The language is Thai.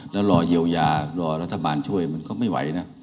แล้วรอเยียวยารอรัฐบาลช่วยมันก็ไม่ไหวนะ